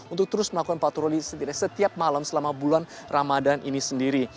untuk terus melakukan patroli setidaknya setiap malam selama bulan ramadan ini sendiri